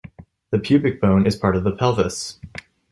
The pubic bone is part of the pelvis.